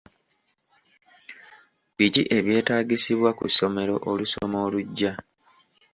Biki ebyetaagisibwa ku ssomero olusoma olujja?